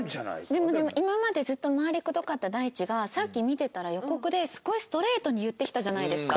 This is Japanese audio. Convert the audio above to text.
でもでも今までずっと回りくどかった大地がさっき見てたら予告ですごいストレートに言ってきたじゃないですか。